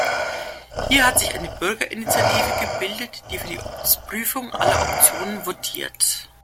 Hier hat sich eine Bürgerinitiative gebildet, die für die Prüfung aller Optionen votiert.